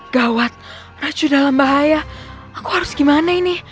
gawat racun dalam bahaya aku harus gimana ini